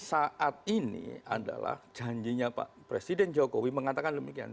saat ini adalah janjinya pak presiden jokowi mengatakan demikian